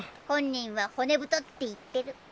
本人は骨太って言ってる。